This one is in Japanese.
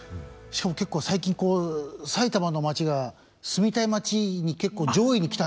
しかも結構最近埼玉の町が住みたい町に結構上位に来たんで。